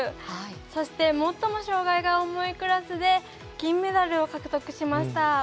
そして最も障がいが重いクラスで銀メダルを獲得しました。